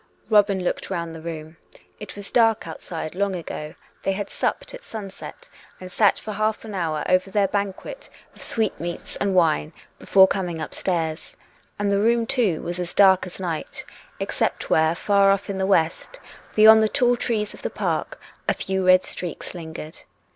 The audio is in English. Robin looked round the room. It was dark outside long ago; they had supped at sunset, and sat for half an hour over their banquet of sweetmeats and wine before coming upstairs. And the room, too, was as dark as night, except wrhere far off in the west, beyond the tall trees of the park, a few red streaks lingered.